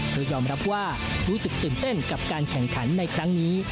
เธอยอมรับว่ารู้สึกตื่นเต้นกับการแข่งขันในครั้งนี้